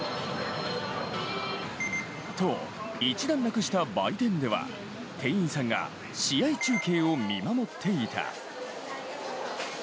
と、一段落した売店では店員さんが試合中継を見守っていた。